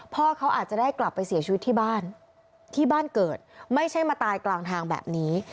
พ่อเขาอาจจะได้กลับไปเสียชีวิตที่บ้านที่บ้านเกิดไม่ใช่มาตายกลางทางแบบนี้